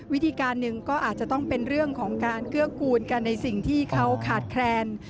วิธีการหนึ่งก็อาจจะต้องเป็นเรื่องของการเกื้อกูลกันในสิ่งที่เขาขาดแคลน